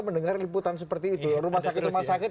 mendengar liputan seperti itu rumah sakit rumah sakit